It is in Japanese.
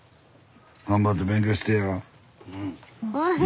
頑張って勉強してや。